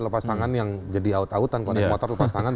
lepas tangan yang jadi aut autan